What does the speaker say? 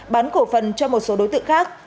bán cổ phần cho một số đối tượng khác